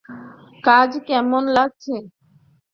কাজ কেমন লাগছে?